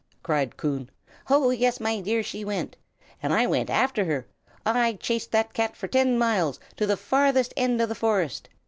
cried Coon. "Oh, yes, my dear, she went! And I went after her! I chased that cat for ten miles, to the very farthest end of the forest.